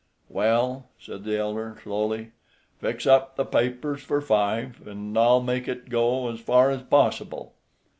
"Well," said the elder, slowly, "fix up the papers for five, an' I'll make it go as far as possible."